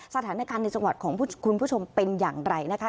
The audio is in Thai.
สถานการณ์ในจังหวัดของคุณผู้ชมเป็นอย่างไรนะคะ